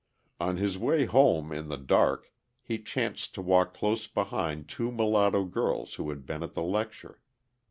On his way home in the dark, he chanced to walk close behind two mulatto girls who had been at the lecture.